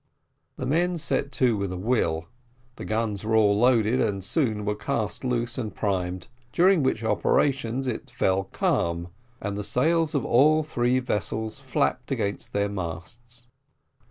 The men set to with a will; the guns were all loaded, and were soon cast loose and primed, during which operations it fell calm, and the sails of all three vessels flapped against their masts.